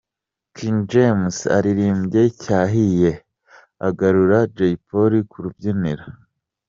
King James aririmbye Cyahiye agarura Jay Polly ku rubyiniro.